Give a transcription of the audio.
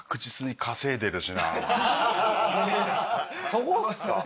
そこっすか？